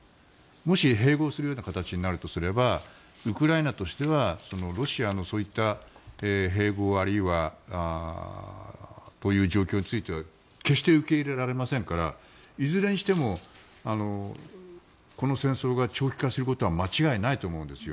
もし、併合するような形になるとすればウクライナとしてはロシアのそういった併合あるいは。という状況については決して受け入れられませんからいずれにしてもこの戦争が長期化することは間違いないと思うんです。